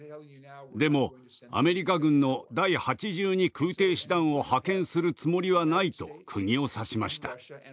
でもアメリカ軍の第８２空挺師団を派遣するつもりはないとくぎを刺しました。